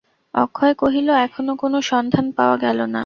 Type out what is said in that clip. অক্ষয় কহিল, এখনো কোনো সন্ধান পাওয়া গেল না।